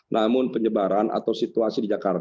namun penyebaran covid sembilan belas di wilayah jepang